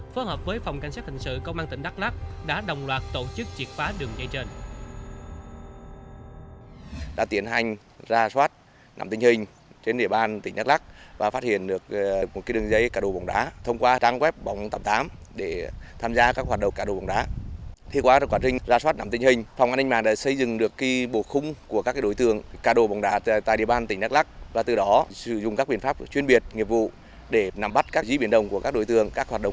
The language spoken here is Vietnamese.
phối hợp với phòng cảnh sát thành sự công an tỉnh đắk lắc đã đồng loạt tổ chức triệt phá đường dây trên